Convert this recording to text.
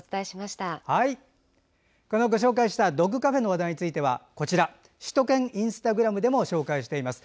ご紹介したドッグカフェの話題については首都圏インスタグラムでも紹介しています。